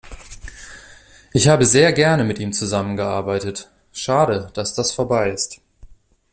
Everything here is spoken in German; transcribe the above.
Ich habe sehr gerne mit ihm zusammen gearbeitet. Schade, dass das vorbei ist.